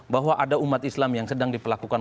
bahwa ada umat islam yang sedang diperlakukan